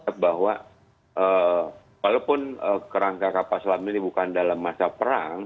oke yang kedua adalah bahwa walaupun kerangka kapas selam ini bukan dalam masalah